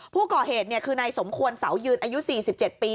ผู้ก่อเหตุคือนายสมควรเสายืนอายุ๔๗ปี